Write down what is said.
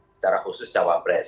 secara khusus cawapres